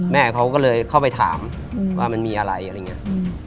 แม่เขาก็เลยเข้าไปถามว่ามันมีอะไรอะไรอย่างนี้